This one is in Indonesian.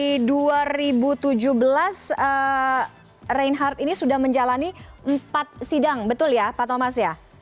sejak itu reinhardt ini sudah menjalani empat sidang betul ya pak thomas